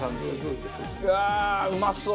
うわあうまそう！